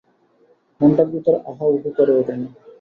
মনটার ভিতর আহা উহু করে ওঠে নি?